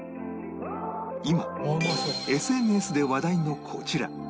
今 ＳＮＳ で話題のこちら